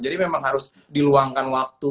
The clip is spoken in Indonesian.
jadi memang harus diluangkan waktu